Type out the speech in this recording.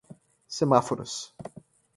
semáforos